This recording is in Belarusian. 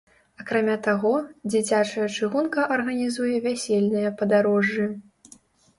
Акрамя таго, дзіцячая чыгунка арганізуе вясельныя падарожжы.